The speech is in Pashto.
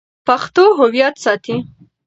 پښتو هویت ساتي.